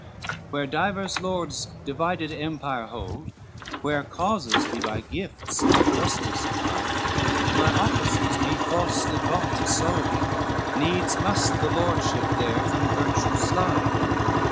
XXXI "Where divers Lords divided empire hold, Where causes be by gifts, not justice tried, Where offices be falsely bought and sold, Needs must the lordship there from virtue slide.